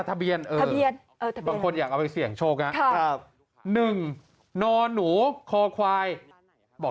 ทะเบียนทะเบียนบางคนอยากเอาไปเสี่ยงโชคนะ๑นหนูคอควายบอก